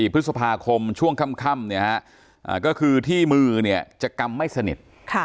พฤษภาคมช่วงค่ำก็คือที่มือจะกำไม่สนิท